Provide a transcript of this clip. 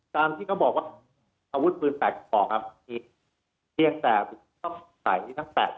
ตามที่เขาบอกว่าอาวุธปืน๘กระบอกครับเพียงแต่ต้องใส่ทั้งแปด